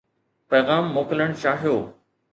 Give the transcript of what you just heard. پيغام موڪلڻ چاهيو